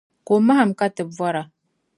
Ko mahim ka ti bɔra.